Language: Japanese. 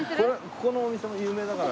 ここのお店も有名だから。